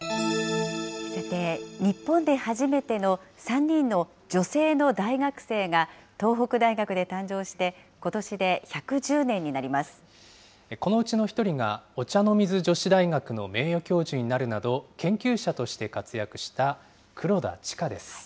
さて、日本で初めての３人の女性の大学生が東北大学で誕生して、このうちの１人が、お茶の水女子大学の名誉教授になるなど、研究者として活躍した黒田チカです。